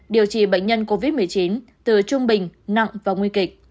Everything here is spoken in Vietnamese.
điều trị bệnh nhân covid một mươi chín từ trung bình nặng và nguy kịch